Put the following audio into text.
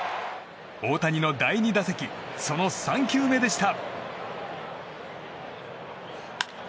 大谷の第２打席その３球目でした。